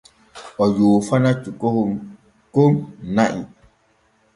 O yoofana cukahon kon na’i.